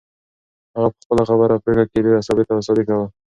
هغه په خپله خبره او پرېکړه کې ډېره ثابته او صادقه وه.